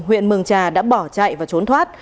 huyện mường trà đã bỏ chạy và trốn thoát